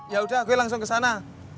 yaudah gue langsung ke sana